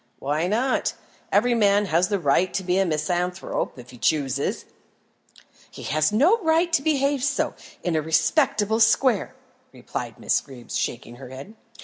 "Why not? Every man has the right to be a misanthrope if he chooses." "He has no right to behave so, in a respectable square," replied Miss Greeb, shaking her head.